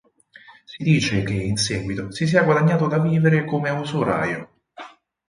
Si dice che in seguito si sia guadagnato da vivere come usuraio.